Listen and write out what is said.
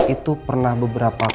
itu pernah beberapa